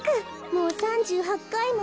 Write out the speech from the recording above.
もう３８かいも。